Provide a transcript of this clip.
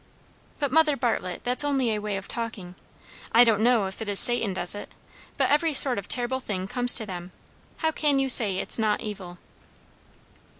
"But, Mother Bartlett, that's only a way of talking. I don't know if it is Satan does it, but every sort of terrible thing comes to them. How can you say it's not evil?"